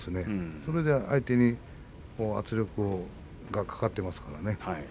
それで相手に圧力がかかっていますからね。